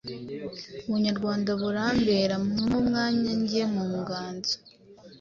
Ubunyarwanda burambera mumpe umwanya nge mu ngazo,